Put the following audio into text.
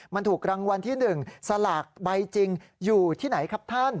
มันถูกรางวัลที่๑สลากใบจริงอยู่ที่ไหนครับท่าน